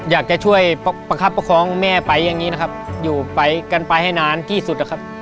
อยากจะช่วยประคับประคองแม่ไปอย่างนี้นะครับอยู่ไปกันไปให้นานที่สุดนะครับ